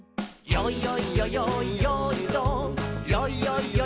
「よいよいよよいよーいドン」